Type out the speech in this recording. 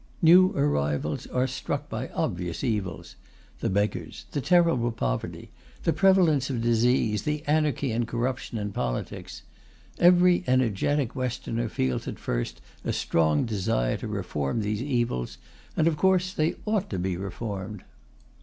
New arrivals are struck by obvious evils: the beggars, the terrible poverty, the prevalence of disease, the anarchy and corruption in politics. Every energetic Westerner feels at first a strong desire to reform these evils, and of course they ought to be reformed.